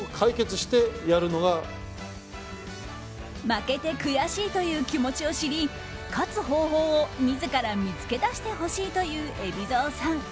負けて悔しいという気持ちを知り勝つ方法を自ら見つけ出してほしいという海老蔵さん。